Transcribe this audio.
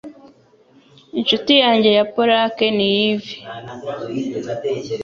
Inshuti yanjye ya Polack ni yves